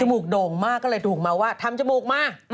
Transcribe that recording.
มูกโด่งมากก็เลยถูกมาว่าทำจมูกมา